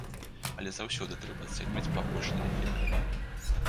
Але заўсёды трэба ацэньваць пабочны эфект.